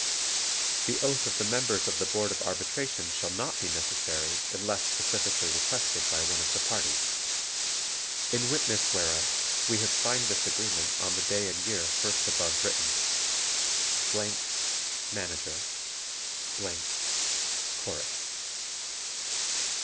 The oath of the members of the Board of Arbitration shall not be necessary unless specifically requested by one of the parties. IN WITNESS WHEREOF we have signed this agreement on the day and year first above written. Manager. Chorus.